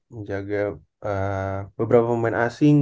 menjaga beberapa pemain asing